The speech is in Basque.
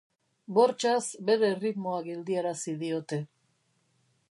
Bortxaz bere erritmoa geldiarazi diote.